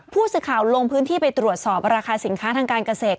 ผู้สื่อข่าวลงพื้นที่ไปตรวจสอบราคาสินค้าทางการเกษตร